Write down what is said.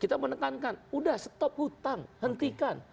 kita menekankan udah stop hutang hentikan